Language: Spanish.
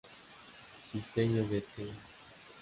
Diseño de Esquela.